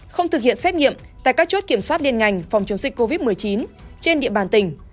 không thực hiện xét nghiệm tại các chốt kiểm soát liên ngành phòng chống dịch covid một mươi chín trên địa bàn tỉnh